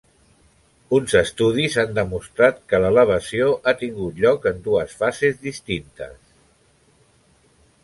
Uns estudis han demostrat que l'elevació ha tingut lloc en dues fases distintes.